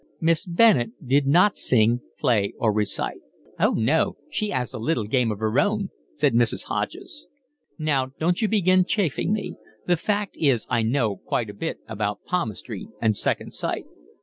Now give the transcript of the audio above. Miss Bennett did not sing, play, or recite. "Oh no, she 'as a little game of her own," said Mrs. Hodges. "Now, don't you begin chaffing me. The fact is I know quite a lot about palmistry and second sight."